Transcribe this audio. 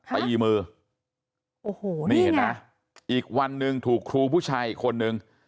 ไปอีมือโอ้โหนี่ไงมีเห็นไหมอีกวันหนึ่งถูกครูผู้ชายคนหนึ่ง